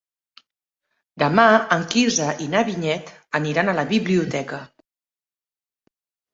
Demà en Quirze i na Vinyet aniran a la biblioteca.